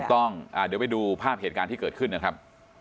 ถูกต้องเดี๋ยวไปดูภาพเหตุการณ์ที่เกิดขึ้นนะครับ